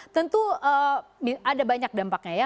tentu ada banyak dampaknya ya